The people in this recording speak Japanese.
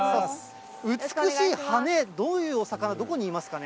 美しい羽、どういうお魚、どこにいますかね？